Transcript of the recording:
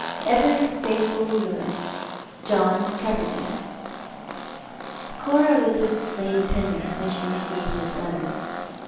" Ever faithfully yours, "John Coyerdale." Cora was with Lady Penrith when she received this letter.